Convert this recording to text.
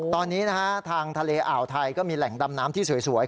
ตอนนี้นะฮะทางทะเลอ่าวไทยก็มีแหล่งดำน้ำที่สวย